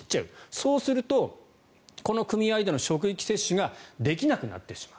そうするとこの組合での職域接種ができなくなってしまう。